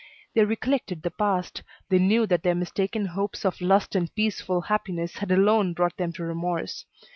They recollected the past, they knew that their mistaken hopes of lust and peaceful happiness had alone brought them to remorse.